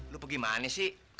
lo pergi mana sih